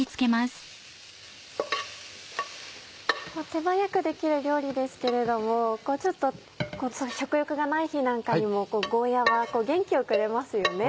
手早くできる料理ですけれどもちょっと食欲がない日なんかにもゴーヤは元気をくれますよね。